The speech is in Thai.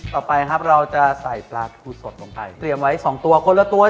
ต่อไปครับเราจะใส่ปลาทูสดลงไปเตรียมไว้สองตัวคนละตัว